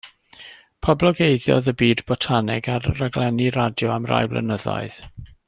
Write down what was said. Poblogeiddiodd y byd botaneg ar raglenni radio am rai blynyddoedd.